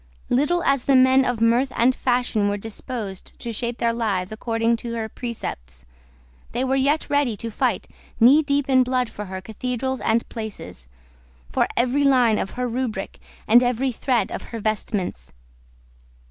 Little as the men of mirth and fashion were disposed to shape their lives according to her precepts, they were yet ready to fight knee deep in blood for her cathedrals and places, for every line of her rubric and every thread of her vestments.